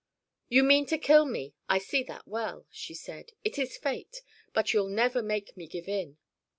"You mean to kill me, I see that well," she said. "It is fate. But you'll never make me give in."